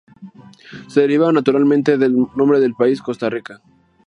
Se derivaba, naturalmente, del nombre del país, Costa Rica.